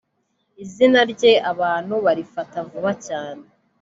izina rye abantu barifata vuba cyane